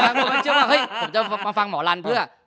บางคนก็เชื่อว่าผมจะมาฟังหมอรันเพื่อ